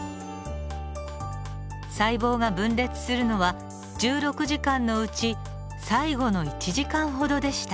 細胞が分裂するのは１６時間のうち最後の１時間ほどでした。